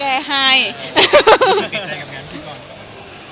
คุณกิจใจกับงานที่ก่อน